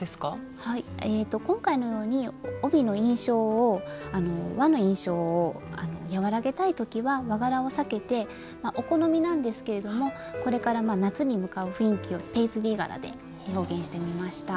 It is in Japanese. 今回のように帯の印象を和の印象を和らげたい時は和柄を避けてお好みなんですけれどもこれから夏に向かう雰囲気をペイズリー柄で表現してみました。